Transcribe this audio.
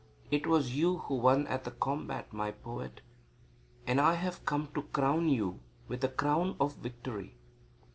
It was you who won at the combat, my poet, and I have come to crown you with the crown of victory."